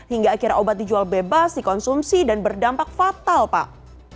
hingga akhirnya obat dijual bebas dikonsumsi dan berdampak fatal pak